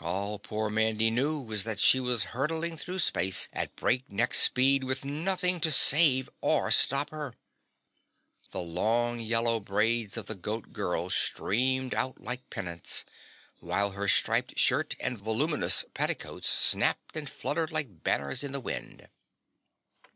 All poor Mandy knew was that she was hurtling through space at break neck speed with nothing to save or stop her. The long yellow braids of the Goat Girl streamed out like pennants, while her striped skirt and voluminous petticoats snapped and fluttered like banners in the wind.